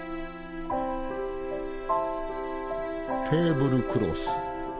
テーブルクロス。